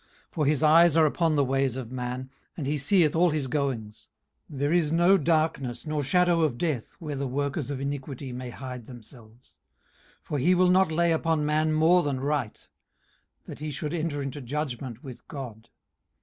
18:034:021 For his eyes are upon the ways of man, and he seeth all his goings. 18:034:022 There is no darkness, nor shadow of death, where the workers of iniquity may hide themselves. 18:034:023 For he will not lay upon man more than right; that he should enter into judgment with God.